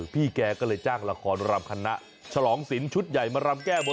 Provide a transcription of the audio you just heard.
พี่แกก็เลยจ้างละครรำคณะฉลองศิลป์ชุดใหญ่มารำแก้บน